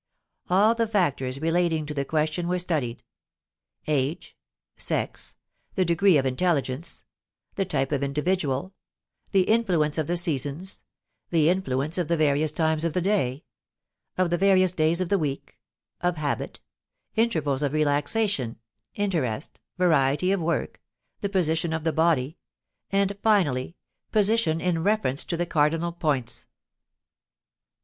All the factors relating to the question were studied: age, sex, the degree of intelligence, the type of individual, the influence of the seasons, the influence of the various times of the day, of the various days of the week, of habit, intervals of relaxation, interest, variety of work, the position of the body, and, finally, position in reference to the cardinal points.